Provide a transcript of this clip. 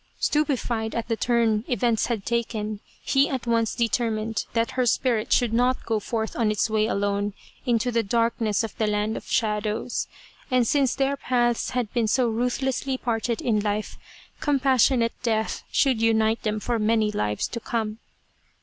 Stupefied at the turn events had taken, he at once determined that her spirit should not go forth on its way alone into the darkness of the Land of Shadows, and since their paths had been so ruthlessly parted in life, compassionate Death should unite them for many lives to come.